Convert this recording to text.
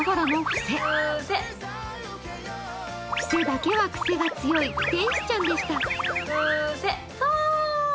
ふせだけは癖が強い天使ちゃんでした。